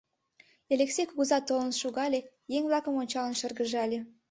Элексей кугыза толын шогале, еҥ-влакым ончалын шыргыжале: